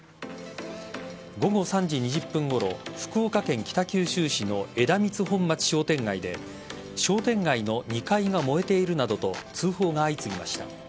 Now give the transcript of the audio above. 午後３時２０分ごろ福岡県北九州市の枝光本町商店街で商店街の２階が燃えているなどと通報が相次ぎました。